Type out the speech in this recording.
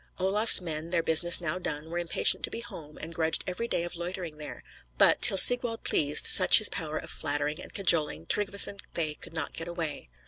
Olaf's men their business now done, were impatient to be home, and grudged every day of loitering there; but, till Sigwald pleased, such his power of flattering and cajoling Tryggveson, they could not get away.